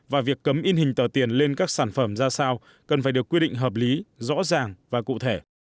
và việc cấm in hình tờ tiền lên các sản phẩm ra sao cần phải được quy định hợp lý rõ ràng và cụ thể